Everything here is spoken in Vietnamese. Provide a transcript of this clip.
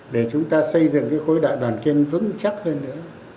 để chúng ta xây dựng cái khối đại đoàn kết vững chắc hơn nữa